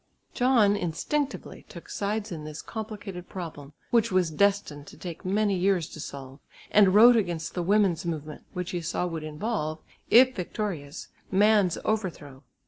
John instinctively took sides in this complicated problem, which was destined to take many years to solve, and wrote against the women's movement, which he saw would involve, if victorious, man's overthrow.